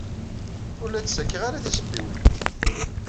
Ur la d-ttakeɣ ara tisebbiwin.